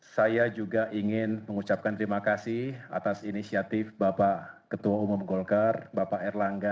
dua ribu empat belas saya juga ingin mengucapkan terima kasih atas inisiatif bapak ketua umum golkar bapak erlangga